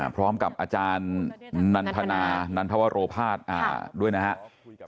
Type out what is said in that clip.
พร้อมกับอาจารย์นันทนานันทวโรภาษด้วยนะครับ